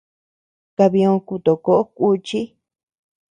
Kabiö kutokoʼo kùchi.